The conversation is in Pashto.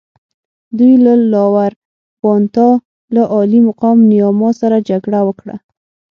دوی له لاور بانتا له عالي مقام نیاما سره جګړه وکړه.